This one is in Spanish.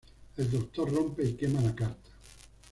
El doctor rompe y quema la carta.